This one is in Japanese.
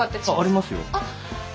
ありますよ。